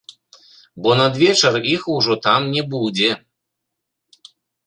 Бо надвечар іх ужо там не будзе!